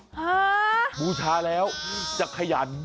ฮ้าบูชาแล้วจากขยัน